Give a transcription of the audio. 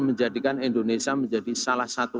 menjadikan indonesia menjadi salah satu